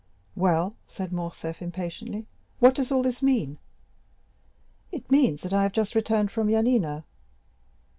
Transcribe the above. "Well," said Morcerf, impatiently, "what does all this mean?" "It means that I have just returned from Yanina."